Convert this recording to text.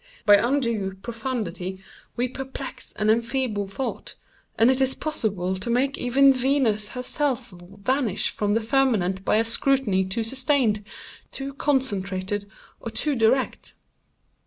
By undue profundity we perplex and enfeeble thought; and it is possible to make even Venus herself vanish from the firmament by a scrutiny too sustained, too concentrated, or too direct.